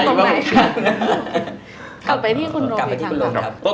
ต้องต้องคำถามไหมด้วยค่ะคิดว่าจะมีคนตอบได้เลยค่ะ